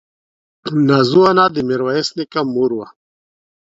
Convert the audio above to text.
نازو انا د ميرويس نيکه مور وه.